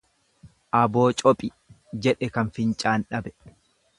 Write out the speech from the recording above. Aboo cophi jedhe kan fincaan dhabe.